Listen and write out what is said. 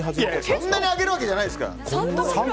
そんなにあげるわけじゃないですから！